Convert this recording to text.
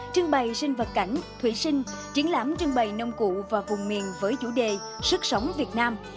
trưng bày sinh vật cảnh thủy sinh triển lãm trưng bày nông cụ và vùng miền với chủ đề sức sống việt nam